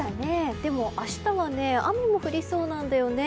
でも明日は雨も降りそうなんだよね。